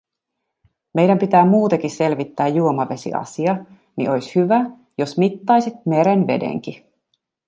Meidän pitää muuteki selvittää juomavesiasia, ni ois hyvä, jos mittaisit meren vedenki."